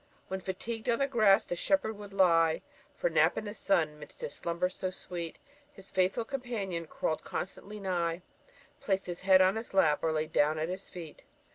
When fatigued on the grass the shepherd would lie For a nap in the sun, 'midst his slumbers so sweet His faithful companion crawl'd constantly nigh, Placed his head on his lap, or laid down at his feet.